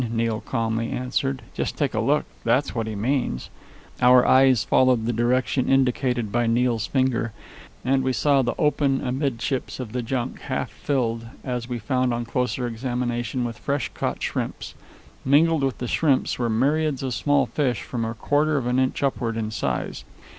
Neil calmly answered. "Just take a look that's what he means." Our eyes followed the direction indicated by Neil's finger, and we saw the open amidships of the junk, half filled, as we found on closer examination, with fresh caught shrimps. Mingled with the shrimps were myriads of small fish, from a quarter of an inch upward in size.